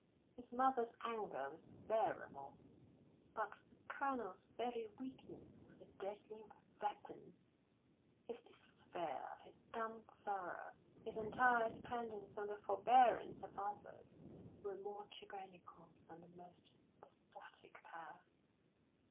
His mother's anger was bearable, but the Colonel's very weakness was a deadly weapon. His despair, his dumb sorrow, his entire dependence on the forbearance of others, were more tyrannical than the most despotic power.